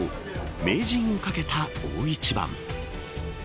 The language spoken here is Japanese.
名人をかけた大一番。